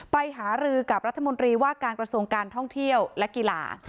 หารือกับรัฐมนตรีว่าการกระทรวงการท่องเที่ยวและกีฬา